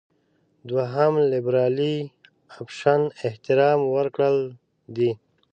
دوهم لېبرالي اپشن احترام ورکړل دي.